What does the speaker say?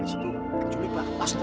kalau mau mencari pak ganes itu